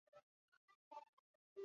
瓦谢雷。